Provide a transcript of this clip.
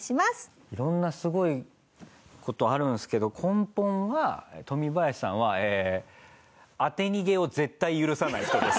色んなすごい事あるんですけど根本はトミバヤシさんは当て逃げを絶対許さない人です。